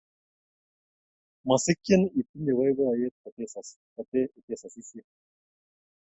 Masikchin itinye boiboiyet kote tisosisiei